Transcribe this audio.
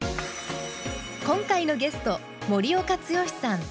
今回のゲスト森岡毅さん。